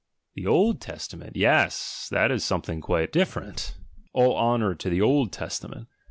The Old Testament — yes, that is something quite dif ferent, all honour to the Old Testament!